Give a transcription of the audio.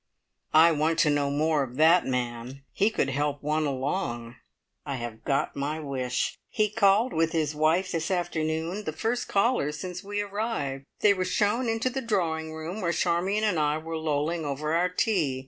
I want to know more of that man. He could help one along. I have got my wish. He called with his wife this afternoon the first callers since we arrived. They were shown into the drawing room, where Charmion and I were lolling over our tea.